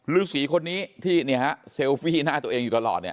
ฤษีคนนี้ที่เซลฟี่หน้าตัวเองอยู่ตลอดเนี่ย